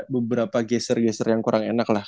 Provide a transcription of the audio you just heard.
beberapa geser geser yang kurang enak lah